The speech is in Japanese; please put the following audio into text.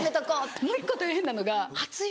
もう１個大変なのが初雪。